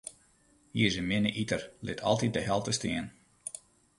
Hy is in minne iter, lit altyd de helte stean.